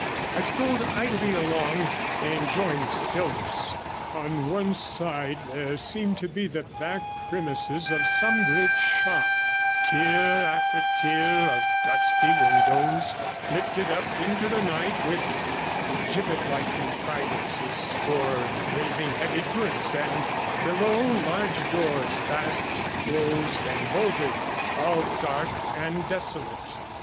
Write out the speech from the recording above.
I strolled idly along, enjoying the stillness; on one side there seemed to be the back premises of some great shop; tier after tier of dusty windows lifted up into the night, with gibbet like contrivances for raising heavy goods, and below large doors, fast closed and bolted, all dark and desolate.